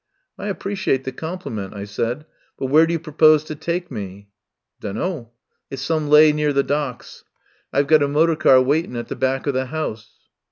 "I appreciate the compliment," I said. "But where do you propose to take me?" "Dunno. It's some lay near the Docks. I've got a motor car waitin' at the back of the 'ouse."